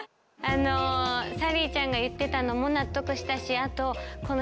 咲莉ちゃんが言ってたのも納得したしあとなるほど！